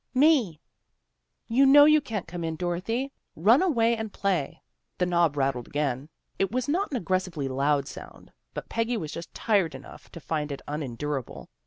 " "Me." ' You know you can't come in, Dorothy. Run away and play." The knob rattled again. It was not an ag gressively loud sound, but Peggy was just tired enough to find it unendurable.